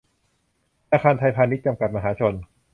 ธนาคารไทยพาณิชย์ จำกัด มหาชน